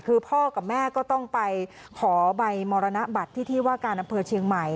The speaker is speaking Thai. คือพ่อกับแม่ก็ต้องไปขอใบมรณบัตรที่ที่ว่าการอำเภอเชียงใหม่